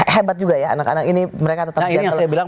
hebat juga ya anak anak ini mereka tetap jalan